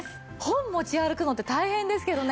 本持ち歩くのって大変ですけどね